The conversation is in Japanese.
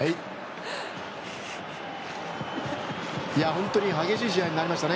本当に激しい試合になりましたね。